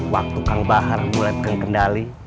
waktu kang bahar mulai berkendali